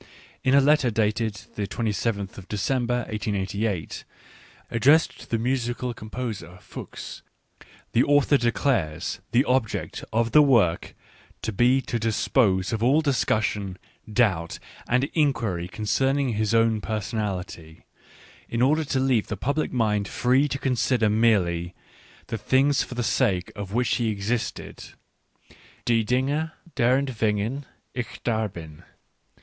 In a letter dated the 27th of December 1888, addressed to the musical composer Fuchs, the author declares the object of the work to be to dispose of all discus sion, doubt, and inquiry concerning his own person ality, in order to leave the public mind free to consider merely " the things for the sake of which he existed "(" die Dinge> derentwegen ich da bin